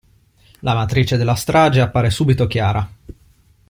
La matrice della strage appare subito chiara.